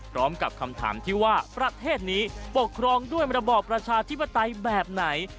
พร้อมกับคำถามที่ว่าประเทศนี้ปกครองด้วยระบอบประชาธิปไตยแบบไหน